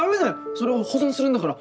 それは保存するんだから。